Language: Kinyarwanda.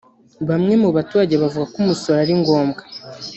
Bamwe mu baturage bavuga ko umusoro ari ngombwa